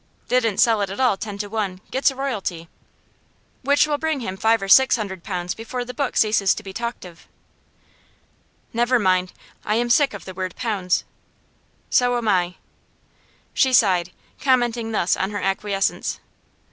'Didn't sell it at all, ten to one. Gets a royalty.' 'Which will bring him five or six hundred pounds before the book ceases to be talked of.' 'Never mind. I'm sick of the word "pounds."' 'So am I.' She sighed, commenting thus on her acquiescence.